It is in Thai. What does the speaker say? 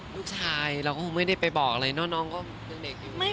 ลูกชายเราก็ไม่ได้ไปบอกเลยเนอะน้องก็เด็กอยู่